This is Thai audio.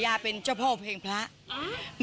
เอาเลยแหละ